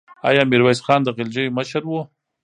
آیا میرویس خان د غلجیو مشر و؟